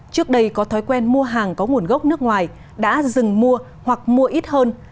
trước đây có thói quen mua hàng có nguồn gốc nước ngoài đã dừng mua hoặc mua ít hơn